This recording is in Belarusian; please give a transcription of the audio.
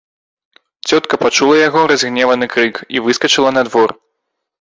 Цётка пачула яго разгневаны крык і выскачыла на двор.